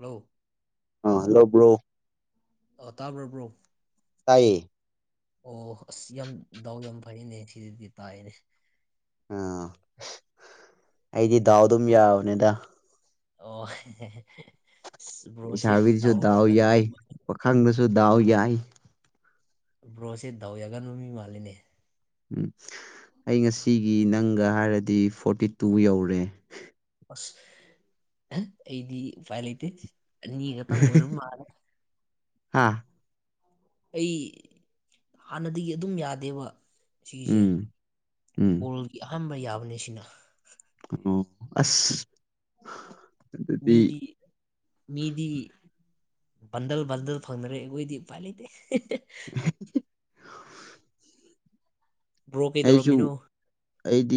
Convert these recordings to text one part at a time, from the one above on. Hello ꯑ hello bro ꯑ ꯇꯥꯕ꯭ꯔꯣ ꯕ꯭ꯔꯣ ꯇꯥꯏꯌꯦ ꯑꯣ ꯑꯁ ꯌꯥꯝ ꯗꯥꯎ ꯌꯥꯝ ꯐꯩꯅꯦ ꯁꯤꯗꯗꯤ ꯇꯥꯏꯅꯦ ꯑꯥ ꯑꯩꯗꯤ ꯗꯥꯎ ꯑꯗꯨꯝ ꯕ꯭ꯔꯣ ꯌꯥꯕꯅꯦꯗ ꯑꯣ ꯕ꯭ꯔꯣꯁꯦ ꯗꯥꯎ ꯌꯥꯒꯟꯕ ꯃꯤ ꯃꯈꯜ ꯈꯟꯕꯁꯨ ꯗꯥꯎ ꯌꯥꯏ ꯕ꯭ꯔꯣꯁꯦ ꯗꯥꯎ ꯌꯥꯒꯟꯕ ꯃꯤ ꯃꯥꯜꯂꯤꯅꯦ ꯎꯝ ꯑꯩ ꯉꯁꯤꯒꯤ ꯅꯪꯒ ꯍꯥꯏꯔꯗꯤ ꯐꯣꯔꯇꯤ ꯇꯨ ꯌꯧꯔꯦ ꯑꯁ ꯑꯍꯥ ꯑꯩꯗꯤ ꯎꯄꯥꯏ ꯂꯩꯇꯦ ꯑꯅꯤ ꯈꯛꯇꯪ ꯑꯣꯏꯔ ꯃꯥꯜꯂꯦ ꯍꯥꯥ ꯑꯩ ꯍꯥꯟꯅꯗꯒꯤ ꯑꯗꯨꯝ ꯌꯥꯗꯦꯕ ꯁꯤꯒꯤꯁꯦ ꯎꯝ ꯎꯝ ꯀꯣꯜꯒꯤ ꯑꯍꯥꯟꯕ ꯌꯥꯕꯅꯦ ꯁꯤꯅ ꯑꯣ ꯑꯁ ꯑꯗꯨꯗꯤ ꯃꯤꯗꯤ ꯃꯤꯗꯤ ꯕꯟꯗꯜ ꯕꯟꯗꯜ ꯐꯪꯅꯔꯦ ꯑꯩꯈꯣꯏꯗꯤ ꯎꯄꯥꯏ ꯂꯩꯇꯦ ꯑꯍꯦꯠ ꯕ꯭ꯔꯣ ꯑꯩꯁꯨ ꯀꯩꯗꯧꯔꯝꯃꯤꯅꯣ ꯑꯩꯗꯤ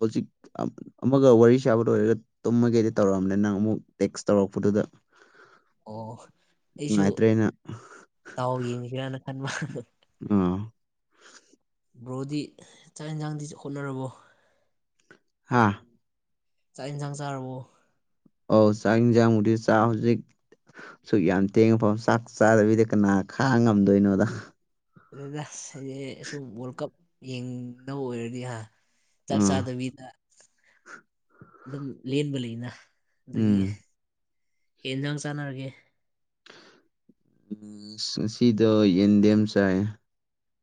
ꯍꯧꯖꯤꯛ ꯑꯃꯠ ꯑꯃꯒ ꯋꯥꯔꯤ ꯁꯥꯕ ꯂꯣꯏꯔꯒ ꯇꯨꯝꯃꯒꯦꯗꯤ ꯇꯧꯔꯝꯕꯅꯦ ꯅꯪ ꯑꯃꯨꯛ ꯇꯦꯛꯁ ꯇꯧꯔꯛꯄꯗꯨꯗ ꯑꯣ ꯑꯣ ꯑꯩꯁꯨ ꯅꯨꯡꯉꯥꯏꯇ꯭ꯔꯦꯅ ꯇꯥꯎ ꯌꯦꯡꯁꯤꯔꯅ ꯈꯟꯕ ꯑꯎ ꯕ꯭ꯔꯣꯗꯤ ꯆꯥꯛ ꯌꯦꯟꯁꯥꯡꯗꯤꯁ ꯍꯣꯠꯅꯔꯕꯣ ꯍꯥꯥ ꯆꯥꯛ ꯏꯟꯁꯥꯡ ꯆꯥꯔꯕꯣ ꯑꯣ ꯆꯥꯛ ꯏꯟꯁꯥꯡꯕꯨꯗ ꯆꯥ ꯍꯧꯖꯤꯛ ꯁꯨꯛ ꯌꯥꯝ ꯇꯦꯡꯉꯐꯥꯎ ꯆꯥꯛ ꯆꯥꯗꯕꯤꯗ ꯀꯅꯥ ꯈꯥꯡ ꯉꯝꯗꯣꯏꯅꯣꯗ ꯑꯗꯨꯗ ꯁꯦꯜꯌꯦꯁꯨꯝ ꯋꯥꯔꯜ ꯀꯞ ꯌꯦꯡꯗꯧ ꯑꯣꯏꯔꯗꯤ ꯍꯥ ꯆꯥꯛ ꯑꯥ ꯆꯥꯗꯕꯤꯗ ꯑꯗꯨꯝ ꯂꯦꯟꯕ ꯂꯩꯅ ꯑꯗꯒꯤ ꯎꯝ ꯀ ꯏꯟꯖꯥꯡ ꯆꯥꯟꯅꯔꯒꯦ ꯁꯤꯗꯣ ꯌꯦꯟꯗꯦꯝ ꯆꯥꯏ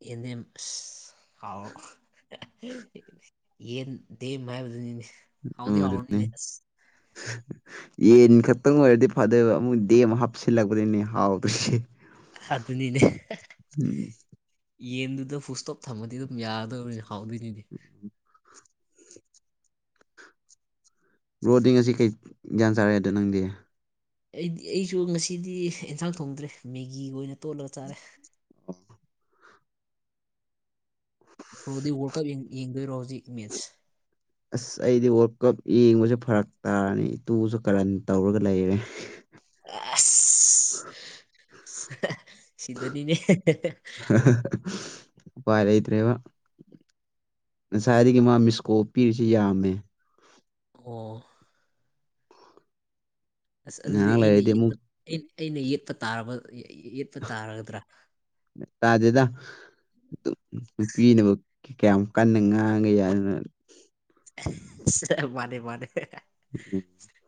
ꯌꯦꯟꯗꯦꯝ ꯑꯁ ꯍꯥꯎ ꯌꯦꯟ ꯗꯦ ꯍꯥꯏꯕꯗꯨꯅꯤꯅꯦ ꯍꯥꯎꯗꯤ ꯑꯣ ꯑꯗꯨꯅꯦ ꯍꯥꯎꯔꯅꯤꯅꯦ ꯑꯁ ꯌꯦꯟ ꯈꯛꯇꯪ ꯑꯣꯏꯔꯗꯤ ꯐꯥꯗꯣꯏꯕ ꯃꯣꯏꯟ ꯗꯦꯝ ꯍꯥꯞꯆꯤꯜꯂꯛꯄꯗꯩꯩꯅꯦ ꯍꯥꯎꯗꯣꯏꯁꯦ ꯑꯗꯨꯅꯤꯅꯦ ꯎꯝ ꯌꯦꯟꯗꯨꯗ ꯐꯕꯨꯁꯇꯣꯞ ꯊꯝꯃꯗꯤ ꯑꯗꯨꯝ ꯌꯥꯗꯧꯅꯤꯅꯦ ꯍꯥꯎꯗꯣꯏꯅꯤꯗꯤ ꯔꯣꯗꯤꯡ ꯑꯁꯤ ꯀꯩ ꯒ꯭ꯌꯥꯟ ꯆꯥꯔꯛꯑꯗ ꯅꯪꯗꯤ ꯑꯩꯗꯤ ꯑꯩꯁꯨ ꯉꯁꯤꯗꯤ ꯑꯦꯟꯁꯥꯡ ꯊꯣꯡꯗ꯭ꯔꯦ ꯃꯦꯒꯤꯒ ꯑꯣꯏꯅ ꯇꯣꯠꯂꯒ ꯆꯥꯔꯦ ꯑ ꯄ꯭ꯔꯣꯗꯤ ꯋꯥꯔꯜ ꯀꯞ ꯌꯦꯪ ꯌꯦꯡꯗꯣꯏꯔꯣ ꯍꯧꯖꯤꯛ ꯃꯦꯠꯁ ꯑꯁ ꯑꯩꯗꯤ ꯋꯥꯔꯜ ꯀꯞ ꯌꯦꯡꯕꯁꯦ ꯐꯔꯛ ꯇꯥꯔꯅꯤ ꯏꯇꯨꯁꯨ ꯀꯔꯟ ꯇꯧꯔꯒ ꯂꯩꯔꯦ ꯑꯁ ꯁꯤꯗꯅꯤꯅꯦ ꯎꯄꯥꯏ ꯂꯩꯇ꯭ꯔꯦꯕ ꯉꯁꯥꯏꯗꯒꯤ ꯃꯥ ꯃꯤꯁꯀꯣꯞ ꯄꯤꯔꯤꯁꯤ ꯌꯥꯝꯃꯦ ꯑꯣ ꯑꯁ ꯑꯗꯨꯗꯤ ꯉꯥꯏꯍꯥꯛ ꯑꯩꯅ ꯂꯩꯔꯗꯤ ꯌꯦꯠ ꯑꯃꯨꯛ ꯑꯩꯅ ꯑꯩꯅ ꯌꯦꯄ ꯇꯥꯔꯕ ꯌꯦ ꯌꯦꯠꯄ ꯇꯥꯔꯒꯗ꯭ꯔꯥ ꯇꯥꯗꯦꯗ ꯅꯨꯄꯤꯅꯕꯥꯛ ꯀꯌꯥꯝ ꯀꯟꯅ ꯉꯥꯡꯒꯦ ꯌꯥꯏꯅꯣꯠ ꯃꯥꯅꯦ ꯃꯥꯅꯦ ꯍꯨꯎꯝ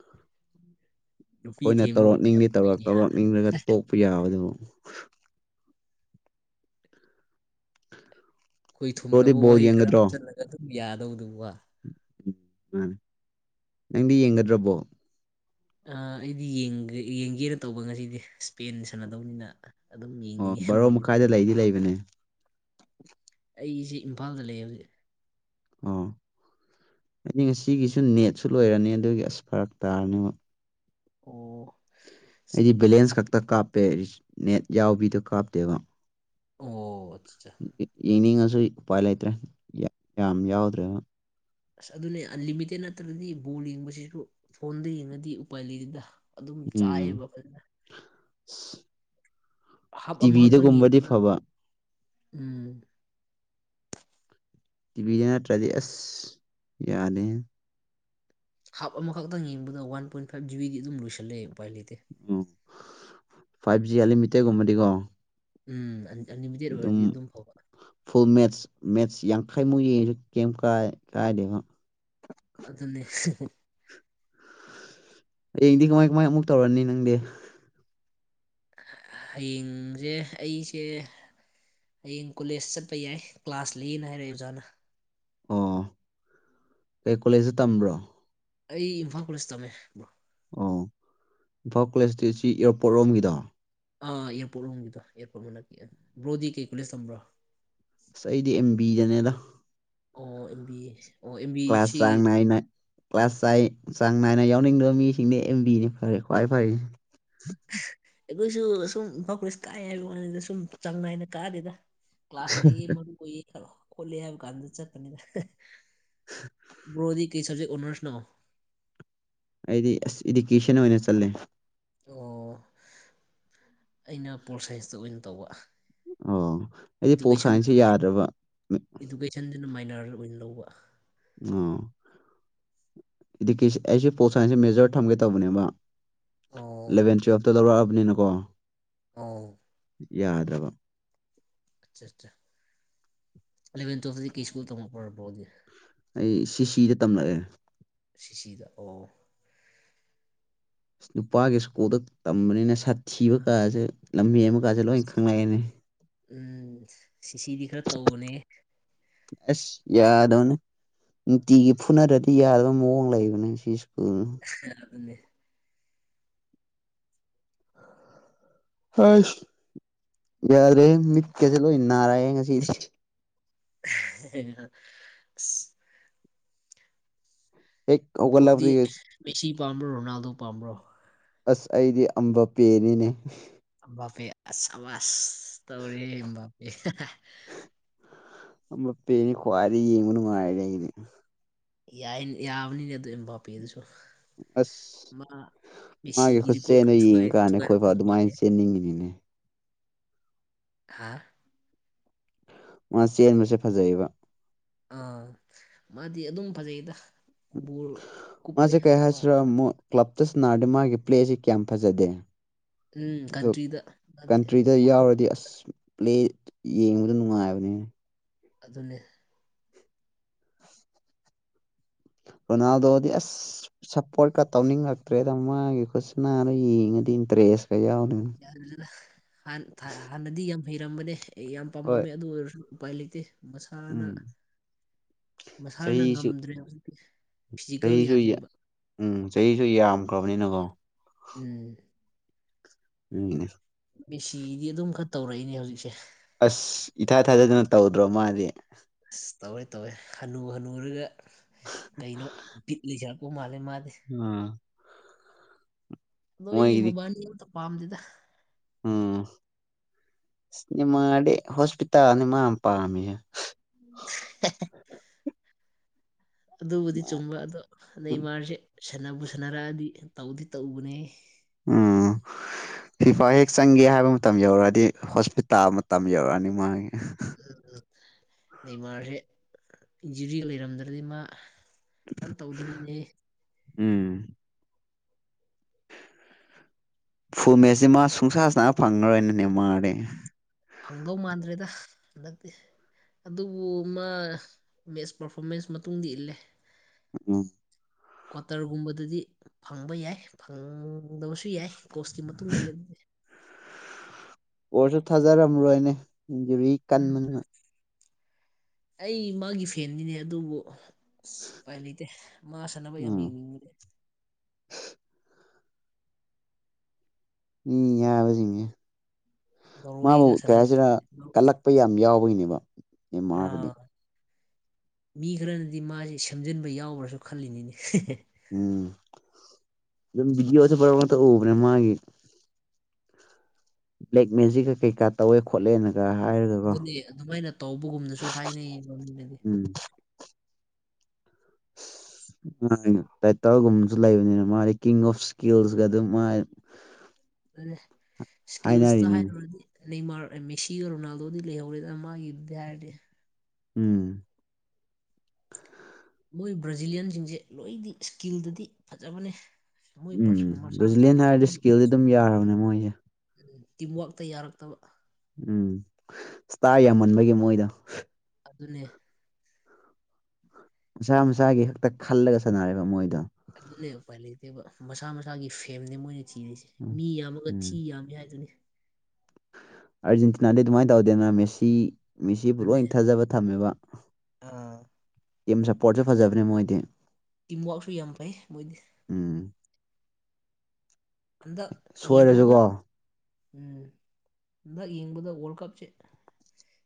[inaudible] ꯅꯨꯄꯤ ꯑꯩꯈꯣꯏꯅ ꯊꯦꯝꯕꯕꯨ ꯀꯌꯥꯝ ꯇꯧꯔꯛꯅꯤꯡꯗꯦ ꯇꯧꯔꯛ ꯀꯨꯏꯅꯤ ꯇꯧꯔꯛꯅꯤꯡꯂꯒ ꯇꯣꯛꯄ ꯌꯥꯕꯗꯨꯕꯨ ꯑꯩꯈꯣꯏ ꯕ꯭ꯔꯣꯗꯤ ꯊꯨꯝꯂꯕ ꯕꯣꯜ ꯋꯥꯍꯩ ꯈꯔ ꯌꯦꯡꯒꯗ꯭ꯔꯣ ꯍꯥꯞꯆꯤꯜꯂꯒ ꯑꯗꯨꯝ ꯌꯥꯗꯧꯗꯨ ꯋꯥ ꯎꯝ ꯃꯥꯅꯦ ꯅꯪꯗꯤ ꯌꯦꯡꯒꯗ꯭ꯔ ꯕꯣꯜ ꯑ ꯑꯩꯗꯤ ꯌꯦꯡꯒꯦ ꯌꯦꯡꯁꯤꯔ ꯇꯧꯕ ꯉꯁꯤꯗꯤ ꯏꯁ꯭ꯄꯦꯟ ꯁꯥꯟꯅꯗꯧꯅꯤꯅ ꯑꯗꯨꯝ ꯑꯣ ꯌꯦꯡꯅꯤꯡꯉꯦ ꯕꯥꯔꯣ ꯃꯣꯏꯗꯤ ꯃꯈꯥꯏꯗ ꯂꯩꯗꯤ ꯐꯖꯕꯅꯤꯅ ꯂꯩꯕꯅꯦ ꯑꯩꯁꯦ ꯏꯝꯐꯥꯜꯗ ꯂꯩꯌꯦ ꯍꯧꯖꯤꯛ ꯑꯣ ꯑꯩꯗꯤ ꯉꯁꯤꯒꯤꯁꯨ ꯅꯦꯠꯁꯨ ꯂꯣꯏꯔꯅꯤ ꯑꯗꯨꯒꯤ ꯑꯁ ꯐꯔꯛ ꯇꯥꯔꯅꯦꯕ ꯑꯣ ꯑꯩꯗꯤ ꯕꯦꯂꯦꯟꯁ ꯈꯛꯇ ꯀꯥꯞꯄꯦ ꯅꯦꯠ ꯌꯥꯎꯕꯤꯗꯣ ꯀꯥꯞꯇꯦꯕ ꯑꯣ ꯑꯠꯆꯥ ꯆꯥ ꯌꯦꯡꯅꯤꯡꯉꯁꯨ ꯎꯄꯥꯏ ꯂꯩꯇ꯭ꯔꯦ ꯌꯥꯝ ꯌꯥꯎꯗ꯭ꯔꯦ ꯑꯁ ꯑꯗꯨꯅꯦ ꯑꯟ ꯂꯤꯃꯤꯇꯦꯠ ꯅꯠꯇ꯭ꯔꯗꯤ ꯕꯣꯜ ꯌꯦꯡꯕꯁꯤꯁꯨ ꯐꯣꯟꯗ ꯌꯦꯡꯉꯗꯤ ꯎꯄꯥꯏ ꯂꯩꯗꯦꯗ ꯑꯗꯨꯝ ꯎꯝ ꯆꯥꯏꯌꯦꯕ ꯐꯖꯅ [unintelligible] ꯍꯥꯞ ꯑꯃꯈꯛꯇꯪ ꯇꯤꯚꯤꯗꯒꯨꯝꯕꯗꯤ ꯌꯦꯡꯕꯗ ꯐꯕ ꯎꯝ ꯇꯤꯚꯤꯗ ꯅꯠꯇ꯭ꯔꯗꯤ ꯑꯁ ꯌꯥꯗꯦ ꯍꯥꯞ ꯑꯃꯈꯛꯇꯪ ꯌꯦꯡꯕꯗ ꯋꯥꯟ ꯄꯣꯏꯟ ꯐꯥꯏꯚ ꯖꯤꯕꯤꯒꯤ ꯑꯗꯨꯝ ꯂꯣꯏꯁꯜꯂꯦ ꯎꯄꯥꯏ ꯂꯩꯇꯦ ꯎꯝ ꯐꯥꯏꯚ ꯖꯤ ꯑꯟꯂꯤꯃꯤꯠꯇꯦꯠ ꯒꯨꯝꯕꯗꯤꯀꯣ ꯎꯝ ꯑꯟꯂꯤꯃꯤꯇꯦꯠ ꯑꯗꯨꯝ ꯑꯣꯏꯔꯗꯤ ꯐꯕ ꯐꯨꯜ ꯃꯦꯠꯁ ꯃꯦꯠꯁ ꯌꯥꯡꯈꯩꯃꯨꯛ ꯌꯦꯡꯉꯁꯨ ꯀꯩꯝ ꯀꯥꯏ ꯀꯥꯏꯗꯦꯉꯣ ꯑꯗꯨꯅꯦ ꯍꯌꯦꯡꯗꯤ ꯃꯣꯏ ꯃꯣꯏ ꯑꯃꯨꯛ ꯇꯧꯔꯅꯤ ꯅꯪꯗꯤ ꯍꯌꯦꯡꯁꯦ ꯑꯩꯁꯦ ꯍꯌꯦꯡ ꯀꯣꯂꯦꯖ ꯆꯠꯄ ꯌꯥꯏ ꯀ꯭ꯂꯥꯁ ꯂꯩꯌꯦꯅ ꯍꯥꯏꯔꯛꯑꯦ ꯑꯣꯖꯥꯅ ꯑꯣ ꯀꯩ ꯀꯣꯂꯦꯖꯇ ꯇꯝꯕ꯭ꯔꯣ ꯑꯩ ꯏꯝꯐꯥꯜ ꯀꯣꯂꯦꯖ ꯇꯝꯃꯦ ꯕ꯭ꯔꯣ ꯑꯣ ꯏꯝꯐꯥꯜ ꯀꯣꯂꯦꯖꯇꯤ ꯁꯤ ꯏꯌꯥꯔꯄꯣꯔꯠ ꯔꯣꯝꯒꯤꯗꯣ ꯑ ꯏꯌꯔꯄꯣꯔꯠ ꯂꯣꯝꯒꯤꯗꯣ ꯑꯦꯌꯥꯔꯄꯣꯔꯠ ꯃꯅꯛꯀꯤ ꯕ꯭ꯔꯣꯗꯤ ꯀꯩ ꯀꯣꯂꯦꯖ ꯇꯝꯕ꯭ꯔ ꯑꯁ ꯑꯩꯗꯤ ꯑꯦꯝ ꯕꯤꯗꯅꯦꯗ ꯑꯣ ꯑꯦꯝꯕꯤ ꯀ꯭ꯂꯥꯁ ꯆꯥꯡꯅꯥꯏꯅ ꯀ꯭ꯂꯥꯁ ꯆꯥꯏ ꯆꯥꯡ ꯅꯥꯏꯅ ꯌꯥꯎꯅꯤꯡꯗꯕ ꯃꯤꯁꯤꯡꯗꯤ ꯑꯦꯝꯕꯤꯅꯤ ꯐꯔꯦ ꯈ꯭ꯋꯥꯏ ꯐꯔꯤꯁꯦ ꯑꯩꯈꯣꯏꯁꯨ ꯁꯨꯝ ꯏꯝꯐꯜ ꯀꯣꯂꯦꯖ ꯀꯥꯏ ꯍꯥꯏꯕ ꯋꯥꯅꯤꯗ ꯁꯨꯝ ꯆꯥꯡ ꯅꯥꯏꯅ ꯀꯥꯗꯦꯗ ꯀ꯭ꯂꯥꯁ ꯂꯩꯌꯦ ꯃꯔꯨ ꯑꯣꯏꯌꯦ [unintelligible] ꯈꯣꯠꯂꯦ ꯍꯥꯏꯕ ꯀꯥꯟꯗ ꯆꯠꯄꯅꯤꯗ ꯕꯔꯣꯗꯤ ꯀꯩ ꯁꯕꯖꯦꯛ ꯑꯣꯅꯔꯁꯅꯣ ꯑꯩꯗꯤ ꯑꯁ ꯏꯗꯤꯀꯦꯁꯟ ꯑꯣꯏꯅ ꯆꯠꯂꯦ ꯑꯣ ꯑꯩꯅ ꯄꯣꯜ ꯁꯥꯏꯟꯁꯇ ꯑꯣꯏꯅ ꯇꯧꯕ ꯑꯣ ꯑꯩꯗꯤ ꯄꯣꯜꯁꯥꯏꯟꯁꯦ ꯌꯥꯗ꯭ꯔꯕ ꯆꯟꯖꯤꯅ ꯃꯥꯏꯅꯔ ꯑꯣꯏꯅ ꯂꯧꯕ ꯑꯣ ꯏꯗꯨꯀꯦ ꯑꯩꯁꯨ ꯄꯣꯜꯁꯥꯏꯟꯁꯦ ꯃꯦꯖꯔ ꯊꯝꯒꯦ ꯇꯧꯕꯅꯦꯕ ꯑꯣ ꯑꯦꯂꯚꯦꯟ ꯇꯨꯋꯜꯐꯇ ꯂꯧꯔꯛꯑꯕꯅꯤꯅꯀꯣ ꯑꯥꯎ ꯌꯥꯗ꯭ꯔꯕ [unintelligible] ꯏꯂꯚꯦꯟ ꯇꯨꯋꯦꯐꯗꯤ ꯀꯩ ꯁ꯭ꯀꯨꯜ ꯇꯝꯃꯛꯄ꯭ꯔꯣ ꯕ꯭ꯔꯣꯗꯤ ꯑꯩ ꯁꯤ ꯁꯤꯗ ꯇꯝꯂꯛꯑꯦ ꯁꯤꯁꯤꯗ ꯑꯣ ꯑꯁ ꯅꯨꯄꯥꯒꯤ ꯁ꯭ꯀꯨꯜꯗ ꯇꯝꯕꯅꯤꯅ ꯁꯥꯊꯤꯕ ꯀꯥꯁꯦ ꯂꯝꯍꯦꯟꯕ ꯀꯥꯁꯦ ꯂꯣꯏ ꯈꯪꯪꯂꯛꯑꯦꯅꯦ ꯎꯝ ꯁꯤꯁꯤꯗꯤ ꯈꯔ ꯇꯧꯕꯅꯦ ꯑꯦꯁ ꯌꯥꯗꯕꯅꯦ ꯅꯨꯡꯇꯤꯒꯤ ꯐꯨꯅꯗꯗꯤ ꯌꯥꯗꯕ ꯃꯑꯣꯡ ꯂꯩꯕꯅꯦ ꯁꯤ ꯁ꯭ꯀꯨꯜ ꯑꯗꯨꯅꯤ ꯍꯣꯏꯁ ꯌꯥꯗꯔꯦ ꯃꯤꯠꯀꯁꯦ ꯂꯣꯏ ꯅꯥꯔꯛꯑꯦ ꯉꯁꯤꯁꯦ [unintelligible] ꯍꯦꯛ ꯕ꯭ꯔꯣꯗꯤ ꯍꯧꯒꯠꯂꯕꯗꯒꯤ ꯃꯦꯁꯤ ꯄꯥꯝꯕ꯭ꯔꯣ ꯔꯣꯅꯥꯜꯗꯣ ꯄꯥꯝꯕ꯭ꯔꯣ ꯑꯁ ꯑꯩꯗꯤ ꯑꯝꯕ ꯄꯦꯅꯤꯅꯦ ꯑꯝ ꯕ ꯄꯦ ꯑꯁ ꯁꯥꯕꯥꯁ ꯇꯧꯔꯦꯍꯦ ꯑꯝꯕꯥꯄꯦ ꯑꯝꯕꯥꯄꯦꯗꯤ ꯈ꯭ꯋꯥꯏꯗꯒꯤ ꯌꯦꯡꯕ ꯅꯨꯡꯉꯥꯏꯗ ꯑꯩꯗꯤ ꯌꯥꯏ ꯌꯥꯕꯅꯤꯅꯦ ꯑꯗꯨ ꯏꯝꯕꯥꯄꯦ ꯗꯨꯁꯨ ꯑꯁ ꯃꯥ ꯃꯥꯒꯤ ꯃꯦꯁꯤꯒꯤ ꯔꯦꯀꯣꯔꯠꯀ ꯈꯨꯠꯆꯦꯟꯗꯣ ꯊꯨꯒꯥꯏ ꯌꯦꯡꯉꯀꯥꯟꯗ ꯑꯩꯈꯣꯏꯐꯥꯎ ꯊꯨꯒꯥꯏꯒꯗꯕ ꯑꯗꯨꯃꯥꯏꯅ ꯃꯥꯜꯂꯦ ꯆꯦꯟꯅꯤꯡꯉꯤꯅꯤꯅꯦ ꯍꯥꯥ ꯃꯥ ꯆꯦꯟꯕꯁꯦ ꯐꯖꯩꯌꯦꯕ ꯑꯥ ꯃꯥꯗꯤ ꯑꯗꯨꯝ ꯐꯖꯩꯗ ꯕꯣꯜ ꯀꯨꯞꯄꯦ ꯃꯥꯁꯦ ꯀꯩ ꯃꯥ ꯍꯥꯏꯁꯤꯔꯥ ꯀ꯭ꯂꯞꯇ ꯁꯥꯅꯔꯗꯤ ꯃꯥꯒꯤ ꯄ꯭ꯂꯦ ꯑꯁꯤ ꯀꯌꯥꯝ ꯐꯖꯗꯦ ꯎꯝ ꯀꯟꯇ꯭ꯔꯤꯗ ꯃꯥꯗꯤ ꯀꯟꯇ꯭ꯔꯤꯗ ꯋꯥꯔꯜ ꯀꯞ ꯌꯥꯎꯔꯗꯤ ꯐꯪꯕꯗ ꯑꯁ ꯄ꯭ꯂꯦ ꯌꯦꯡꯕꯗꯣ ꯅꯨꯡꯉꯥꯏꯕꯅꯤ ꯑꯗꯨꯅꯤ [inaudible] ꯔꯣꯅꯥꯜꯗꯣꯗꯤ ꯑꯁ ꯁꯞꯄꯣꯔꯠꯀ ꯇꯧꯅꯤꯡꯉꯛꯇ꯭ꯔꯦꯗ ꯃꯥꯒꯤ ꯈꯨꯠꯁꯤꯅꯥꯗꯣ ꯌꯦꯡꯉꯗꯤ ꯏꯟꯇꯔꯦꯁꯀ ꯌꯥꯎꯗꯦ [unintelligible] ꯍꯥꯟ ꯍꯥꯟꯅꯗꯤ ꯌꯥꯝ ꯍꯩꯔꯝꯕꯅꯦ ꯑꯩ ꯌꯥꯝ ꯍꯣꯏ ꯄꯥꯝꯃꯝꯃꯦ ꯑꯗꯨ ꯑꯣꯏꯔꯁꯨ ꯎꯄꯥꯏ ꯂꯩꯇꯦ ꯃꯁꯥꯅ ꯎꯝ ꯃꯁꯥꯅ ꯆꯍꯤꯁꯨ ꯉꯝꯗ꯭ꯔꯦ ꯍꯧꯖꯤꯛꯇꯤ ꯐꯤꯖꯤꯀꯦꯜ ꯆꯍꯤꯁꯨ ꯌꯥ ꯌꯥꯗ꯭ꯔꯦꯕ ꯎꯝ ꯆꯍꯤꯁꯨ ꯌꯥꯝꯈ꯭ꯔꯕꯅꯤꯅꯀꯣ ꯎꯝ ꯎꯝ ꯃꯦꯁꯤꯗꯤ ꯑꯗꯨꯝ ꯈꯔ ꯇꯧꯔꯛꯏꯅꯦ ꯍꯧꯖꯤꯛꯁꯦ ꯑꯁ ꯏꯊꯥ ꯊꯥꯖꯗꯅ ꯇꯧꯗ꯭ꯔꯣ ꯃꯥꯗꯤ ꯑꯁ ꯇꯧꯋꯦ ꯇꯧꯋꯦ ꯍꯟꯅꯨ ꯍꯟꯅꯨꯔꯒ ꯀꯩꯅꯣ ꯕꯤꯠꯂꯤ [unintelligible] ꯎ ꯃꯥꯜꯂꯦ ꯃꯥꯗꯤ ꯎꯝ ꯑꯗꯣ ꯑꯩꯗꯤ ꯃꯣꯏꯒꯤꯗꯤ ꯃꯕꯥꯅꯤ ꯑꯝꯇ ꯄꯥꯝꯗꯦꯗ ꯎꯝ ꯅꯦꯃꯥꯔꯗꯤ ꯍꯣꯁꯄꯤꯇꯥꯜꯗ ꯃꯥ ꯌꯥꯝ ꯄꯥꯝꯃꯦ [unintelligible] ꯑꯗꯨꯕꯨꯗꯤ ꯆꯨꯝꯕ ꯑꯗꯣ ꯅꯦꯔꯃꯥꯁꯦ ꯁꯥꯟꯅꯕꯨ ꯁꯥꯟꯅꯔꯛꯑꯗꯤ ꯇꯧꯗꯤ ꯇꯧꯕꯅꯦ ꯎꯝ ꯐꯤꯐꯥ ꯍꯦꯛ ꯆꯪꯒꯦ ꯍꯥꯏꯕ ꯃꯇꯝ ꯌꯧꯔꯛꯑꯗꯤ ꯍꯣꯁꯄꯤꯇꯥꯜ ꯃꯇꯝ ꯌꯧꯔꯛꯑꯅꯤ ꯃꯥꯒꯤ ꯎꯝ ꯎꯝ ꯅꯦꯃꯥꯔꯁꯦ ꯏꯟꯖꯨꯔꯤ ꯂꯩꯔꯝꯗ꯭ꯔꯗꯤ ꯃꯥ ꯀꯟ ꯇꯧꯗ꯭ꯔꯣꯔꯤ ꯃꯤꯅꯦ ꯎꯝ ꯐꯨꯜ ꯃꯦꯠꯁꯁꯤ ꯃꯥ ꯁꯨꯡꯁꯥ ꯁꯥꯟꯅ ꯐꯪꯉꯔꯣꯏꯅꯦ ꯃꯥꯗꯤ ꯐꯪꯗꯧ ꯃꯥꯟꯗ꯭ꯔꯦꯗ ꯍꯟꯗꯛꯇꯤ ꯑꯗꯨꯕꯨ ꯃꯥ ꯃꯦꯠꯁ ꯄꯔꯐꯣꯔꯃꯦꯟꯁ ꯃꯇꯨꯡꯗꯤ ꯏꯜꯂꯦ ꯎꯝ ꯀ꯭ꯋꯥꯇꯔꯒꯨꯝꯕꯗꯗꯤ ꯐꯪꯕ ꯌꯥꯏ ꯐꯪꯗꯕꯁꯨ ꯌꯥꯏ ꯀꯣꯁꯀꯤ ꯃꯇꯨꯡ ꯏꯜꯂꯦ ꯑꯗꯨꯗꯤ ꯀꯦꯔꯁꯁꯨ ꯊꯥꯖꯔꯝꯃꯔꯣꯏꯅꯦ ꯏꯟꯖꯨꯔꯤ ꯎꯝ ꯀꯟꯕꯅꯤꯅ ꯑꯩ ꯃꯥꯒꯤ ꯐꯦꯟꯅꯤꯅꯦ ꯑꯗꯨꯕꯨ ꯑꯁ ꯎꯄꯥꯏ ꯂꯩꯇꯦ ꯃꯥ ꯁꯥꯟꯅꯕ ꯌꯥꯝ ꯎꯝ ꯌꯦꯡꯅꯤꯡꯕꯗꯤ ꯃꯤ ꯍꯥꯏꯕꯁꯤꯡꯁꯦ ꯃꯥꯕꯨ ꯅꯣꯔꯋꯦꯒ ꯁꯥꯟꯅ ꯀꯔꯤꯍꯥꯏꯁꯤꯔ ꯀꯜꯂꯛꯄ ꯌꯥꯝ ꯌꯥꯎꯕꯒꯤꯅꯦꯕ ꯑꯦꯃꯥꯕꯨꯗꯤ ꯑꯥ ꯃꯤ ꯈꯔꯅꯗꯤ ꯃꯥꯁꯤ ꯁꯦꯝꯖꯤꯟꯕ ꯌꯥꯎꯕ꯭ꯔꯁꯨ ꯈꯜꯂꯤꯅꯤꯅꯦ ꯎꯝ ꯑꯗꯨꯝ ꯕꯤꯗꯤꯑꯣꯁꯦ ꯃꯔꯛ ꯃꯔꯛꯇꯥ ꯎꯕꯅꯦ ꯃꯥꯒꯤ ꯕ꯭ꯂꯦꯛ ꯃꯦꯖꯤꯛꯀ ꯀꯩꯀꯥ ꯇꯧꯋꯦ ꯈꯣꯠꯂꯦꯅ ꯍꯥꯏꯔꯒ ꯑꯗꯨꯅꯤ ꯑꯗꯨꯃꯥꯏꯅ ꯇꯧꯕꯒꯨꯝꯅꯁꯨ ꯍꯥꯏꯅꯩꯌꯦꯕ ꯃꯤꯅꯗꯤ ꯎꯝ ꯇꯥꯏꯇꯜꯒꯨꯝꯕꯁꯨ ꯂꯩꯕꯅꯤꯅ ꯃꯥꯗꯤ ꯀꯤꯡ ꯑꯣꯐ ꯏꯁꯀꯤꯜꯁꯀ ꯑꯗꯨꯝ ꯃꯥ ꯃꯥꯅꯦ ꯏꯁꯀꯤꯜꯁꯇꯥ ꯍꯥꯏꯅꯔꯤꯅꯤꯅꯦ ꯍꯥꯏꯔꯨꯔꯗꯤ ꯅꯦꯃꯥꯔ ꯑꯦ ꯃꯦꯁꯤꯒ ꯔꯣꯅꯥꯜꯗꯣꯗꯤ ꯂꯩꯍꯧꯔꯦꯗ ꯃꯥꯒꯤꯗ ꯍꯥꯏꯔꯗꯤ ꯎꯝ ꯃꯣꯏ ꯕ꯭ꯔꯥꯖꯤꯂꯤꯂꯤꯌꯥꯟꯁꯤꯡꯁꯦ ꯂꯣꯏꯗꯤ ꯏꯁꯀꯤꯜꯗꯗꯤ ꯐꯖꯕꯅꯦ ꯃꯣꯏ ꯎꯝ ꯄꯔꯁ- ꯃꯁꯥ ꯃꯁꯥ ꯕ꯭ꯔꯖꯤꯂꯤꯌꯟ ꯄꯥꯔꯁꯣꯅꯦꯜ ꯍꯥꯏꯔꯗꯤ ꯏꯁꯀꯤꯜꯗꯤ ꯑꯗꯨꯝ ꯌꯥꯔꯕꯅꯦ ꯃꯣꯏꯁꯦ ꯇꯤꯝꯋꯥꯛꯇ ꯌꯥꯔꯛꯇꯕ ꯎꯝ ꯏꯁꯇꯥꯔ ꯌꯥꯝꯃꯟꯕꯒꯤ ꯃꯣꯏꯗꯣ ꯑꯗꯨꯅꯦ ꯃꯁꯥ ꯃꯁꯥꯒꯤ ꯈꯛꯇ ꯈꯜꯂꯒ ꯁꯥꯟꯅꯔꯦꯕ ꯃꯣꯏꯗꯣ ꯑꯗꯨꯅꯦ ꯎꯄꯥꯏ ꯂꯩꯇꯦꯕ ꯃꯁꯥ ꯃꯁꯥꯒꯤ ꯐꯦꯝꯅꯦ ꯃꯣꯏꯅ ꯊꯤꯔꯤꯁꯦ ꯎꯝ ꯃꯤ ꯌꯥꯝꯃꯒ ꯎꯝ ꯊꯤ ꯌꯥꯝꯃꯤ ꯍꯥꯏꯗꯨꯅꯤ ꯑꯥꯔꯖꯦꯟꯇꯤꯅꯥꯗꯤ ꯑꯗꯨꯃꯥꯏꯅ ꯇꯧꯗꯦꯅ ꯃꯦꯁꯤ ꯃꯦꯁꯤꯕꯨ ꯂꯣꯏ ꯊꯥꯖꯕ ꯊꯝꯃꯦꯕ ꯑꯥ ꯇꯤꯝ ꯁꯞꯄꯣꯔꯠꯁꯨ ꯐꯖꯕꯅꯦ ꯃꯣꯏꯗꯤ ꯇꯤꯝꯋꯥꯛꯁꯨ ꯌꯥꯝ ꯐꯩ ꯃꯣꯏꯗꯤ ꯎꯝ ꯍꯟꯗꯛ ꯌꯦꯡꯕꯗ ꯁꯣꯏꯔꯁꯨꯀꯣ ꯎꯝ ꯍꯟꯗꯛ ꯌꯦꯡꯕꯗ ꯋꯥꯔꯜ ꯀꯞꯁꯦ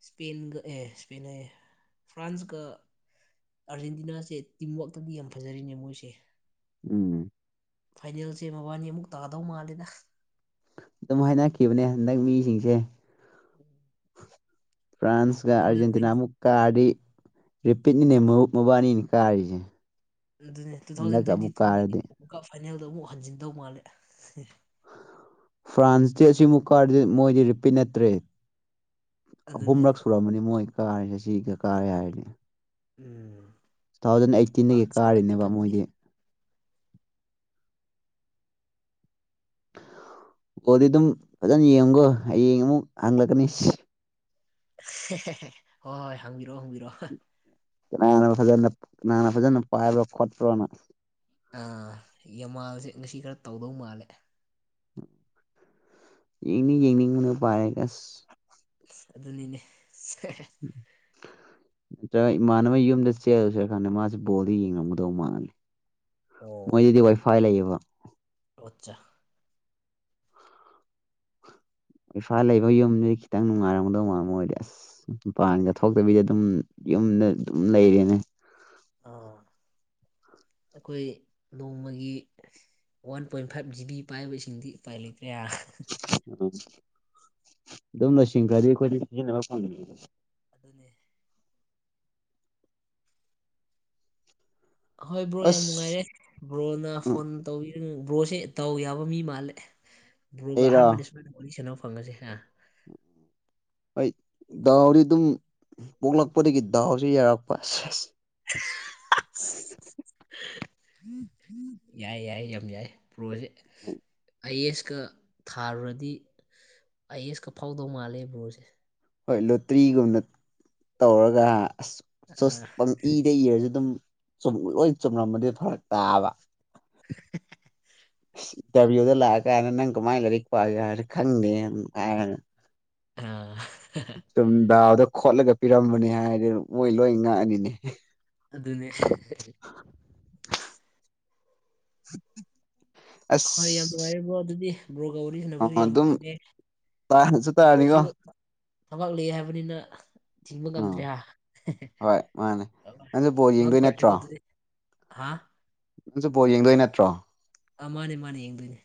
ꯁꯄꯦꯟꯒ ꯑꯦ ꯁꯄꯦꯟ ꯍꯥꯏꯌꯦ ꯐ꯭ꯔꯥꯟꯁꯀꯥ ꯑꯥꯔꯖꯦꯟꯇꯤꯅꯥꯁꯦ ꯇꯤꯝꯋꯥꯛꯛꯇꯗꯤ ꯌꯥꯝ ꯐꯖꯔꯤꯅꯦ ꯃꯣꯏꯁꯦ ꯎꯝ ꯐꯥꯏꯅꯦꯜꯁꯦ ꯃꯕꯥꯅꯤ ꯑꯃꯨꯛ ꯇꯥꯗꯧ ꯃꯥꯜꯂꯦꯗ ꯑꯗꯨꯝ ꯍꯥꯏꯅꯈꯤꯕꯅꯦ ꯍꯟꯗꯛ ꯃꯤꯁꯤꯡꯁꯦ [unintelligible] ꯐ꯭ꯔꯥꯟꯁ ꯇꯨ ꯀ ꯊꯥꯎꯖꯟ ꯑꯔꯖꯦꯟꯇꯤꯅꯥ ꯇ꯭ꯋꯦꯟꯇꯤ ꯑꯃꯨꯛ ꯀꯥꯔꯗꯤ ꯔꯤꯄꯤꯠꯅꯤꯅꯦ ꯃꯧ ꯃꯕꯥꯟꯅꯤꯅ ꯀꯥꯔꯤꯁꯦ ꯑꯗꯨꯅꯦ ꯇꯨ ꯊꯥꯎꯖꯟ ꯍꯟꯗꯛꯀ ꯇ꯭ꯋꯦꯟꯇꯤ ꯑꯃꯨꯛ ꯇꯨꯒꯤ ꯀꯥꯔꯗꯤ ꯀꯞ ꯐꯥꯏꯅꯦꯜꯗ ꯑꯃꯨꯛ ꯍꯟꯖꯤꯟꯗꯧ ꯃꯥꯜꯂꯦ ꯐ꯭ꯔꯥꯟꯁꯇꯤ ꯑꯁꯤꯃꯨꯛ ꯀꯥꯔꯗꯤ ꯃꯣꯏꯗꯤ ꯔꯤꯄꯤꯠ ꯅꯠꯇ꯭ꯔꯦ ꯑꯗꯨꯅꯦ ꯑꯍꯨꯝꯔꯛ ꯁꯨꯔꯝꯃꯅꯤ ꯃꯣꯏ ꯀꯥꯔꯦꯁꯦ ꯁꯤꯒ ꯀꯥꯔꯦ ꯍꯥꯏꯔꯗꯤ꯫ ꯎꯝ ꯇꯨ ꯊꯥꯎꯖꯟ ꯑꯩꯠꯇꯤꯟꯗꯒꯤ ꯐ꯭ꯔꯥꯟꯁ ꯀꯣꯗꯤ ꯀꯥꯔꯤꯅꯦꯕ ꯐꯖꯗꯦ ꯃꯣꯏꯗꯤ ꯒꯣꯜꯗꯤ ꯑꯗꯨꯝ ꯐꯖꯅ ꯌꯦꯡꯉꯨꯒꯣ ꯍꯥꯌꯦꯡ ꯑꯃꯨꯛ ꯍꯥꯡꯂꯛꯀꯅꯤ ꯁꯤꯁ ꯍꯣꯏ ꯍꯣꯏ ꯍꯪꯕꯤꯔꯛꯑꯣ ꯍꯪꯕꯤꯔꯛꯑꯣ ꯀꯅꯥꯅ ꯐꯖꯅ ꯀꯅꯥꯅ ꯐꯖꯅ ꯄꯥꯏꯕ꯭ꯔꯣ ꯈꯣꯠꯄ꯭ꯔꯣꯅ ꯑꯥ ꯌꯥꯃꯥꯜꯁꯦ ꯉꯁꯤ ꯈꯔ ꯇꯧꯗꯧ ꯃꯥꯜꯂꯦ꯫ ꯌꯦꯡꯗꯤ ꯌꯦꯡꯅꯤꯡꯕꯅꯦ ꯄꯥꯏꯔꯒ ꯑꯁ ꯑꯁ ꯑꯗꯨꯅꯤꯅꯦ ꯁꯦ ꯅꯠꯇ꯭ꯔꯥꯒ ꯏꯃꯥꯟꯅꯕꯩ ꯌꯨꯝꯗ ꯆꯦꯜꯂꯨꯁꯤꯔꯥ ꯈꯪꯗꯦ ꯃꯥꯁꯨ ꯕꯣꯜꯗꯤ ꯌꯦꯡꯉꯝꯒꯗꯧ ꯃꯥꯜꯂꯤ꯫ ꯃꯣꯏꯒꯤꯗꯤ ꯋꯥꯏꯐꯥꯏ ꯂꯩꯌꯦꯕ꯫ ꯑꯣꯠꯆꯥ ꯏꯝꯐꯥꯜ ꯂꯩꯕ ꯌꯨꯝꯗꯨꯗꯤ ꯈꯤꯇꯪ ꯅꯨꯡꯉꯥꯏꯔꯝꯒꯗꯧ ꯃꯥꯜꯂꯦ ꯃꯣꯏꯗꯤ ꯑꯁ ꯃꯄꯥꯟꯒ ꯊꯣꯛꯇꯕꯤꯗ ꯑꯗꯨꯝ ꯌꯨꯝꯗ ꯑꯗꯨꯝ ꯂꯩꯔꯦꯅꯦ꯫ ꯑ ꯑꯩꯈꯣꯏ ꯅꯣꯡꯃꯒꯤ one point five G B ꯄꯥꯏꯕ ꯁꯤꯡꯗꯤ ꯎꯄꯥꯏ ꯂꯩꯇ꯭ꯔꯦ ꯍꯥ ꯎꯝ ꯑꯗꯨꯝ ꯂꯣꯏꯁꯤꯟꯈꯔꯗꯤ ꯑꯩꯈꯣꯏꯗꯤ ꯁꯤꯖꯤꯟꯅꯕ ꯐꯪꯗꯦ ꯑꯗꯨꯅꯦ ꯑꯍꯣꯏ ꯕ꯭ꯔꯣ ꯌꯥꯝ ꯑꯁ ꯅꯨꯡꯉꯥꯏꯔꯦ ꯕ꯭ꯔꯣꯅ ꯐꯣꯟ ꯇꯧꯕꯤꯔꯅꯨ ꯕ꯭ꯔꯣꯁꯦ ꯗꯥꯎ ꯌꯥꯕ ꯃꯤ ꯃꯥꯜꯂꯦ ꯕ꯭ꯔꯣꯒ ꯑꯩꯔꯣ ꯑꯍꯥꯟꯕꯅꯦ ꯁꯨꯃꯥꯏꯅ ꯋꯥꯔꯤ ꯁꯥꯟꯅꯕ ꯐꯪꯕꯁꯦ ꯍꯥ ꯍꯣꯏ ꯗꯥꯎꯗꯤ ꯑꯗꯨꯝ ꯄꯣꯛꯂꯛꯄꯗꯒꯤ ꯗꯥꯎꯁꯤ ꯌꯥꯔꯛꯄ ꯁꯦꯁ [unintelligible] ꯌꯥꯏ ꯌꯥꯏ ꯌꯥꯝ ꯌꯥꯏ ꯄ꯭ꯔꯣꯁꯦ ꯑꯥꯏ ꯑꯦꯁꯀ ꯊꯥꯔꯨꯔꯗꯤ ꯑꯥꯏ ꯑꯦꯁꯀ ꯐꯥꯎꯗꯧ ꯃꯥꯜꯂꯦ ꯕ꯭ꯔꯣꯁꯦ꯫ ꯍꯣꯏ ꯂꯣꯇ꯭ꯔꯤꯒꯨꯝꯅ ꯇꯧꯔꯒ ꯍꯥ ꯑꯁ ꯆꯨꯁ ꯑ ꯄꯪꯏꯗ ꯏꯔꯁꯨ ꯑꯗꯨꯝ ꯆꯨꯝ ꯂꯣꯏ ꯆꯨꯝꯔꯝꯃꯗꯤ ꯐꯔꯥꯛ ꯇꯥꯕ꯫ [unintelligible] ꯇꯥꯕꯤꯔꯒ ꯂꯥꯛꯑ ꯀꯥꯟꯗ ꯅꯪ ꯀꯃꯥꯏ ꯂꯥꯏꯔꯤꯛꯄꯒꯦ ꯍꯥꯏꯔꯗꯤ ꯈꯪꯗꯦ ꯎꯝ ꯍꯥꯏꯔꯅꯤ꯫ ꯑꯥ ꯁꯨꯝ ꯗꯥꯎꯗ ꯈꯣꯠꯂꯒ ꯄꯤꯔꯝꯕꯅꯦ ꯍꯥꯏꯔꯗꯤ ꯃꯣꯏ ꯂꯣꯏ ꯉꯥꯛꯑꯅꯤꯅꯦ꯫ ꯑꯗꯨꯅꯦ [inaudible] ꯑꯁ ꯍꯣꯏ ꯌꯥꯝ ꯅꯨꯡꯉꯥꯏꯔꯦ ꯕ꯭ꯔꯣ ꯑꯗꯨꯗꯤ ꯕ꯭ꯔꯣꯒ ꯋꯥꯔꯤ ꯁꯥꯟꯅꯕꯁꯨ ꯑ ꯌꯥꯝ ꯑꯗꯨꯝ ꯐꯪꯉꯦ ꯇꯥꯁꯨ ꯕ꯭ꯔꯣꯁꯨ ꯇꯥꯔꯅꯤꯀꯣ ꯊꯕꯛ ꯂꯩꯑꯦ ꯍꯥꯏꯕꯅꯤꯅ ꯊꯤꯡꯕ ꯎꯝ ꯉꯝꯗ꯭ꯔꯦ ꯍꯥ ꯍꯣꯏ ꯃꯥꯅꯦ ꯑ ꯅꯪꯁꯨ ꯕꯣꯜ ꯃꯪ ꯌꯦꯡꯗꯣꯏ ꯐꯥꯔꯁꯦꯀꯣ ꯅꯠꯇ꯭ꯔꯣ ꯑꯗꯨꯗꯤ ꯍꯥꯥ ꯅꯪꯁꯨ ꯕꯣꯜ ꯌꯦꯡꯗꯣꯏ ꯅꯠꯇ꯭ꯔꯣ ꯑ ꯃꯥꯅꯦ ꯃꯥꯅꯦ ꯌꯦꯡꯗꯣꯏꯅꯦ꯫